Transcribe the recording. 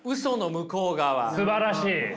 すばらしい！